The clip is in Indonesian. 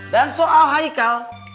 dan soal haikal